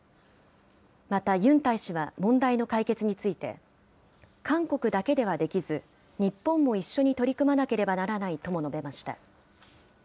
また、ユン大使は問題の解決について、韓国だけではできず、日本も一緒に取り組まなければならないとも述べました。